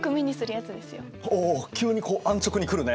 おお急にこう安直に来るね。